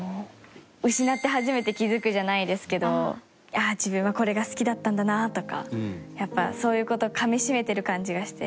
「失って初めて気付く」じゃないですけど「自分はこれが好きだったんだな」とかやっぱそういう事をかみ締めてる感じがして。